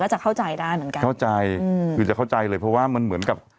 จะเข้าใจได้เหมือนกันเข้าใจอืมคือจะเข้าใจเลยเพราะว่ามันเหมือนกับ